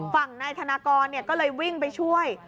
ฝั่งนายธนากรก็เลยวิ่งไปช่วย